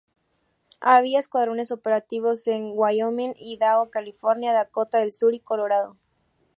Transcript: Había escuadrones operativos en Wyoming, Idaho, California, Dakota del Sur y Colorado.